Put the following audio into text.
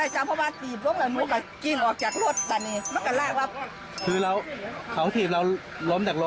จำเขาได้จ้ะเพราะว่าติดลงใช่ไหม